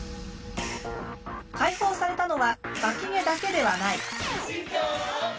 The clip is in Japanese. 解放されたのはワキ毛だけではない。